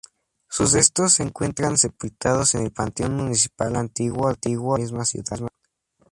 Sus restos se encuentran sepultados en el panteón Municipal Antiguo de esa misma ciudad.